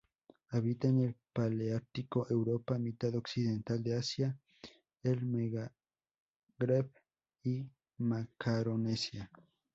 Habita en el paleártico: Europa, mitad occidental de Asia, el Magreb y Macaronesia.